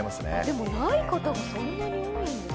でも、ない方がそんなに多いんですね。